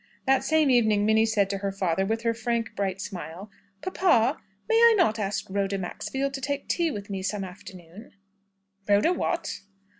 That same evening Minnie said to her father, with her frank, bright smile, "Papa, may I not ask Rhoda Maxfield to take tea with me some afternoon?" "Rhoda what?"